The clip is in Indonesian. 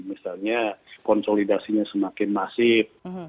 misalnya konsolidasinya semakin masif